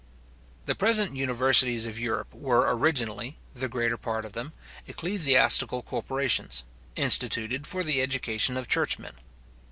The present universities of Europe were originally, the greater part of them, ecclesiastical corporations, instituted for the education of churchmen.